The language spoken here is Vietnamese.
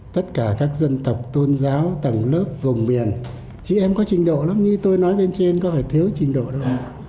tất cả các dân tộc tôn giáo tầng lớp vùng miền chị em có trình độ lắm như tôi nói bên trên có phải thiếu trình độ đâu